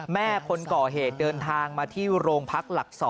แม่คนก่อเหตุเดินทางมาที่โรงพักหลัก๒